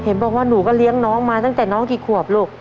เห็นบอกว่าหนูก็เลี้ยงน้องมาตั้งแต่น้องกี่ขวบลูก